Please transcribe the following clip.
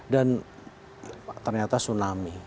dan ternyata tsunami